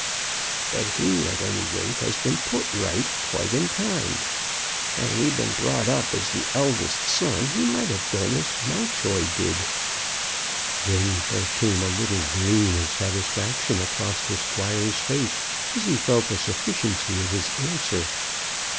"But he, at any rate, has been put right quite in time. Had he been brought up as the eldest son he might have done as Mountjoy did." Then there came a little gleam of satisfaction across the squire's face as he felt the sufficiency of his answer.